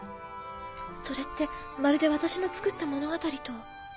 それってまるで私の作った物語と。